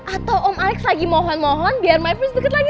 atau om alex lagi mohon mohon biar my prince deket rumahnya